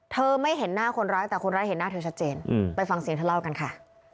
ไม่เห็นหน้าคนร้ายแต่คนร้ายเห็นหน้าเธอชัดเจนไปฟังเสียงเธอเล่ากันค่ะ